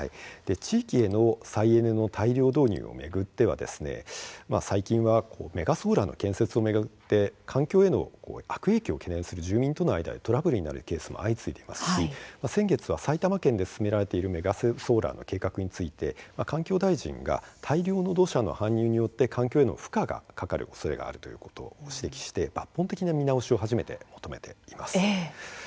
地域への再エネの大量導入を巡っては最近はメガソーラーの建設を巡って環境への悪影響を懸念する住民との間でトラブルになるケースも相次いでいますし、先月は埼玉県で進められているメガソーラーの計画について環境大臣が大量の土砂の搬入によって環境への負荷がかかるおそれがあるということを指摘して抜本的な見直しを初めて求めています。